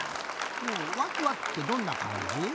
うんわくわくってどんなかんじ？